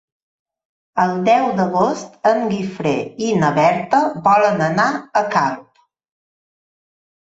El deu d'agost en Guifré i na Berta volen anar a Calp.